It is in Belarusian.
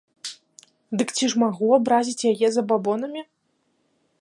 Дык ці ж магу абразіць яе забабонамі?